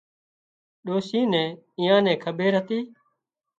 ڏوشي نين ايئان نِي کٻير هتي